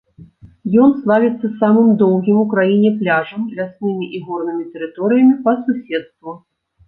Ён славіцца самым доўгім у краіне пляжам, ляснымі і горнымі тэрыторыямі па суседству.